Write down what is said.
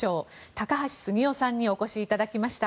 高橋杉雄さんにお越しいただきました。